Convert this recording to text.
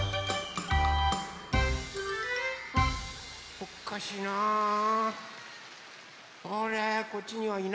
おっかしいな。